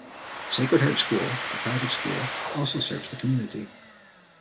Sacred Heart School, a private school, also serves the community.